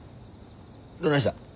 どないした？